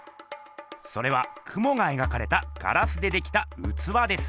それはクモが描かれたガラスでできたうつわです。